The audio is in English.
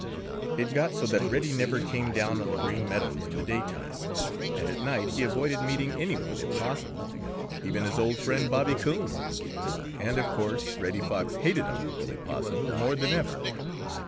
It got so that Reddy never came down on the Green Meadows in the daytime, and at night he avoided meeting any one if possible, even his old friend, Bobby Coon. And of course Reddy Fox hated Unc' Billy Possum more than ever.